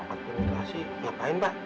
bantuan administrasi nggapain pak